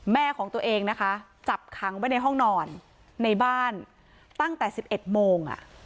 แม่ของตัวเองนะคะจับขังไว้ในห้องนอนในบ้านตั้งแต่๑๑โมง